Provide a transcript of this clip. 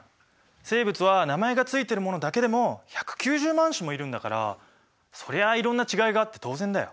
生物は名前が付いてるものだけでも１９０万種もいるんだからそりゃいろんな違いがあって当然だよ。